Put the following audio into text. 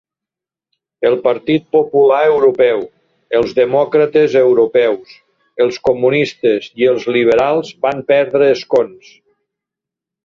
El Partit Popular Europeu, els Demòcrates Europeus, els comunistes i els liberals van perdre escons.